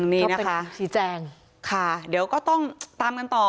นี่นะคะชี้แจงค่ะเดี๋ยวก็ต้องตามกันต่อ